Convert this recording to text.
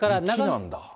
雪なんだ。